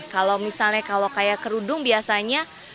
kalau misalnya kalau kayak kerudung biasanya